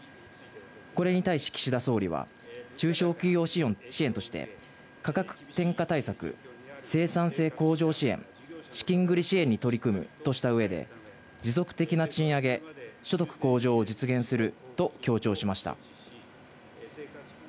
これに対し、岸田総理は中小企業支援として、価格転嫁対策、生産性向上支援、資金繰り支援に取り組むとした上で持続的な賃上げ、所得向上を実現すると強調しました。